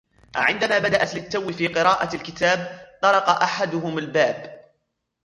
عندما بدأت للتو في قراءة الكتاب طرق احدهم الباب.